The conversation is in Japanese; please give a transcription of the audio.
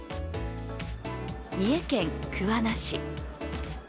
三重県桑名市。